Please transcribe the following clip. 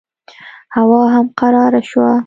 هوا هم قراره شوه.